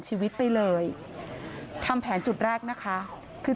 โชว์บ้านในพื้นที่เขารู้สึกยังไงกับเรื่องที่เกิดขึ้น